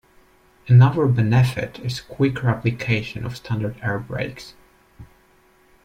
Another benefit is quicker application of standard air brakes.